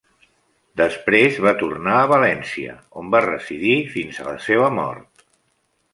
Després va tornar a València, on va residir fins a la seva mort.